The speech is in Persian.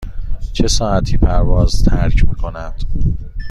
چه ساعتی پرواز ترک می کند؟